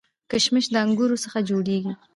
کشمش د انګورو څخه جوړیږي